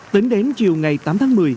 tính đến chiều ngày tám tháng một mươi